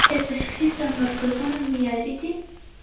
آیا تشخیصیه مرکزونه معیاري دي؟